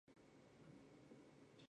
买了生巧克力